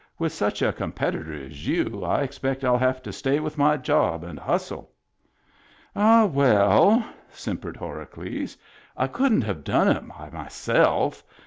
With such a compet itor as you, I expect 111 have to stay with my job and hustle." "Ah, well," simpered Horacles, "I couldn't have done it by myself.